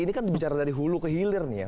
ini kan bicara dari hulu ke hilir nih ya